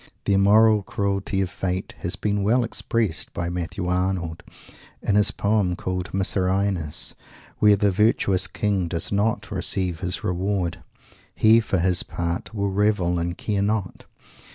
The immoral cruelty of Fate has been well expressed by Matthew Arnold in that poem called "Mycerinus," where the virtuous king does not receive his reward. He, for his part will revel and care not.